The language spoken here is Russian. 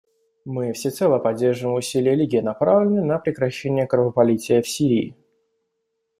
Мы всецело поддерживаем усилия Лиги, направленные на прекращение кровопролития в Сирии.